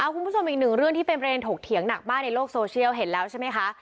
คุณผู้ชมอีกหนึ่งเรื่องที่เป็นประเด็นถกเถียงหนักมากในโลกโซเชียลเห็นแล้วใช่ไหมคะ